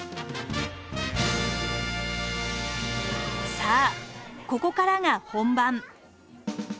さあここからが本番。